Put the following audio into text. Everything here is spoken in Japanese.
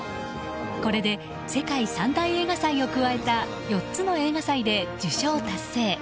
これで世界三大映画祭を加えた４つの映画祭で受賞達成。